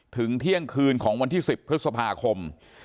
เที่ยงคืนของวันที่๑๐พฤษภาคม